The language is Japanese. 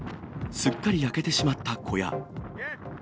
すっかり焼けてしまった小屋。